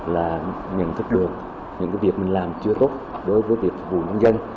là nhận thức được những việc mình làm chưa tốt đối với việc phục vụ nhân dân